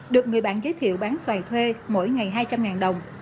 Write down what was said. được người bạn giới thiệu bán xoài thuê mỗi ngày hai trăm linh đồng